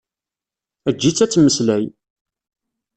Eǧǧ-itt ad tmeslay!